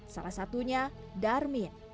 salah satunya darmin